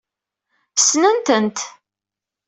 Sensen-tent.